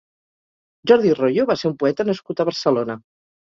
Jordi Royo va ser un poeta nascut a Barcelona.